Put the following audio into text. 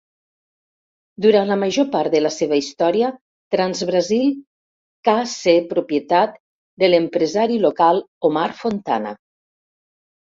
Durant la major part de la seva història, Transbrasil ca ser propietat de l'empresari local Omar Fontana.